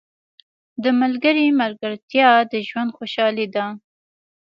• د ملګري ملګرتیا د ژوند خوشحالي ده.